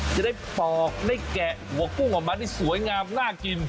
จะได้ปอกได้แกะหัวกุ้งออกมาได้สวยงามน่ากิน